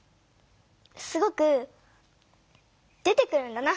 すごく出てくるんだな！